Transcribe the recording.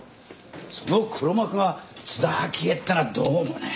その黒幕が津田明江ってのはどうもね。